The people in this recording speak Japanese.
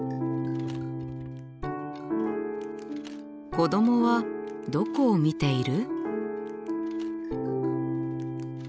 子どもはどこを見ている？